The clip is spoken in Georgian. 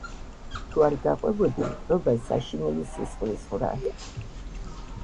თუ არ გაყვებოდი, მტრობა საშინელი, სისხლისღვრა.